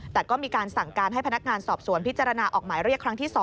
แต่ก็มีการสั่งการให้พนักงานสอบสวนพิจารณาออกหมายเรียกครั้งที่๒